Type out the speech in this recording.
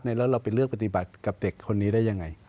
แล้วเราไปเลือกปฏิบัติกับเด็กคนนี้ได้ยังไง